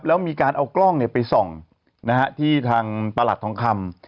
แล้วมีการเอากล้องไปส่องที่ทางประหลัดทองคำ